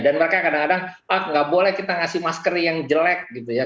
dan mereka kadang kadang pak nggak boleh kita ngasih masker yang jelek gitu ya